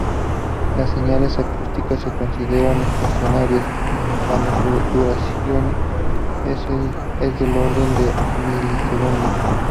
Las señales acústicas se consideran estacionarias cuando su duración es del orden de milisegundos.